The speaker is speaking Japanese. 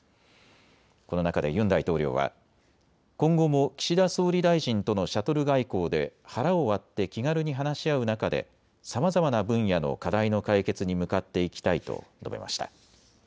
この中でユン大統領は今後も岸田総理大臣とのシャトル外交で腹を割って気軽に話し合う中でさまざまな分野の課題の解決に向かっていきたいと述べました。